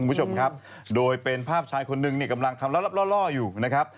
คุณผู้ชมครับโดยเป็นภาพชายคนนึงเนี่ยกำลังทำลับล่ออยู่นะครับ